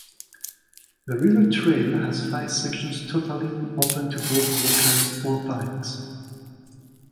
The River Trail has five sections totalling open to both walkers or bikes.